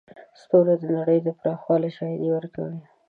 ستوري د نړۍ د پراخوالي شاهدي ورکوي.